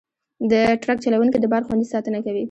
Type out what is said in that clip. د ټرک چلوونکي د بار خوندي ساتنه کوي.